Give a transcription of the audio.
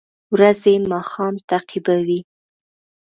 ورځې ماښام تعقیبوي